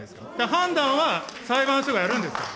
判断は裁判所がやるんです。